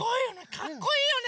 かっこいいよね！